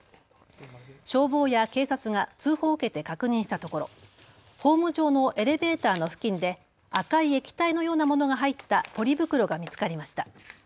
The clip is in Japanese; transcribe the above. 消防や警察が通報を受けて確認したところホーム上のエレベーターの付近で赤い液体のようなものが入ったポリ袋が見つかりました。